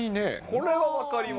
これは分かります。